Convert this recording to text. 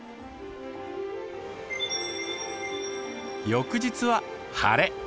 翌日は晴れ。